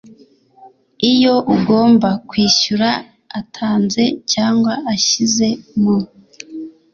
Iyo ugomba kwishyura atanze cyangwa ashyize mu